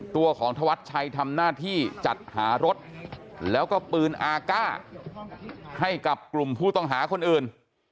ตัวของธวัดชัยทำหน้าที่จัดหารถแล้วก็ปืนอาก้าให้กับกลุ่มผู้ต้องหาคนอื่น